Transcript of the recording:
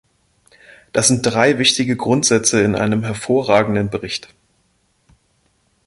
Das sind drei wichtige Grundsätze in einem hervorragenden Bericht.